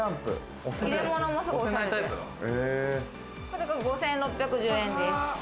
これが５６１０円です。